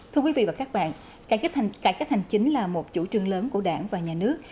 thưa quý vị và các bạn cải cách cải cách hành chính là một chủ trương lớn của đảng và nhà nước